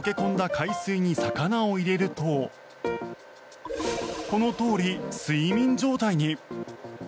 海水に魚を入れるとこのとおり、睡眠状態に。